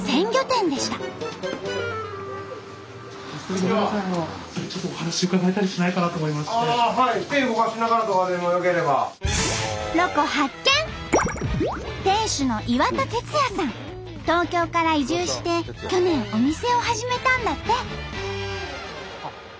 店主の東京から移住して去年お店を始めたんだって。